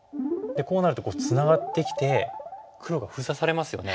こうなるとツナがってきて黒が封鎖されますよね。